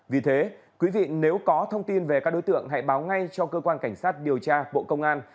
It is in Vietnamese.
vì thế quý vị nếu có thông tin về các đối tượng hãy báo ngay cho cơ quan cảnh sát điều tra bộ công an